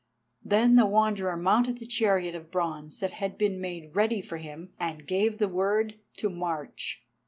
Then the Wanderer mounted the chariot of bronze that had been made ready for him, and gave the word to march.